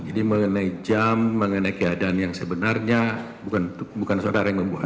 jadi mengenai jam mengenai keadaan yang sebenarnya bukan saudara yang membuat